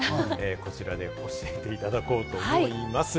こちらで教えていただこうと思います。